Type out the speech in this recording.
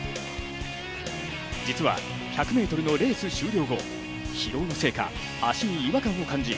実は１００ｍのレース終了後、疲労のせいか足に違和感を感じ